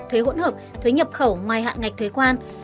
thuế hỗn hợp thuế nhập khẩu ngoài hạn ngạch thuế quan